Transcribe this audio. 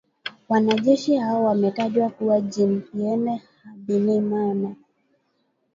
Wanajeshi hao wametajwa kuwa Jean Pierre Habyarimana